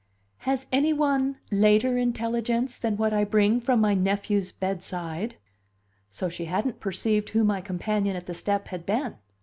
"Has any one later intelligence than what I bring from my nephew's bedside?" So she hadn't perceived who my companion at the step had been!